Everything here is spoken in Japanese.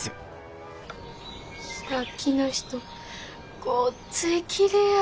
さっきの人ごっついきれいやったなあ。